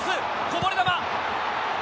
こぼれ球。